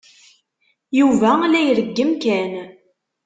Yuba la ireggem Ken.